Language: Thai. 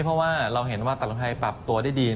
เพราะว่าเราเห็นว่าตลาดไทยปรับตัวได้ดี